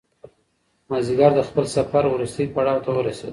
مازیګر د خپل سفر وروستي پړاو ته ورسېد.